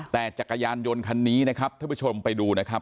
แต่จักรยานยนต์คันนี้นะครับท่านผู้ชมไปดูนะครับ